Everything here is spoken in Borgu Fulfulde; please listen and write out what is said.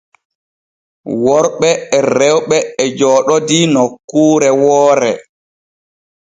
Worɓe e rewɓe e jooɗodii nokkure woore.